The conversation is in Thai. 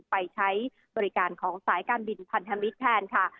ไปใช้บริการของสายการบินพันธมิตรแทนค่ะ